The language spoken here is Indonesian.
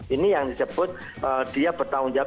ini yang disebut dia bertanggung jawab